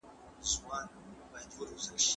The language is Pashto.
زه به تل د حقیقت په لټه کي یم.